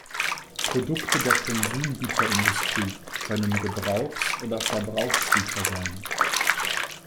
Produkte der Konsumgüterindustrie können Gebrauchs- oder Verbrauchsgüter sein.